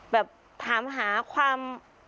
แบบถามหาความ